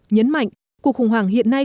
nhấn mạnh cuộc khủng hoảng hiện nay